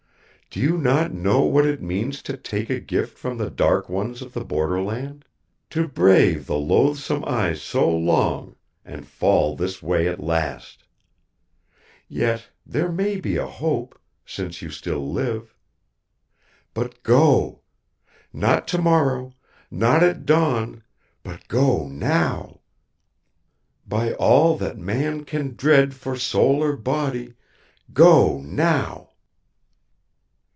Do you not know what it means to take a gift from the Dark Ones of the Borderland? To brave the Loathesome Eyes so long and fall this way at last! Yet there may be a hope since you still live. But go. Not tomorrow, not at dawn, but go now. By all that man can dread for soul or body, go now."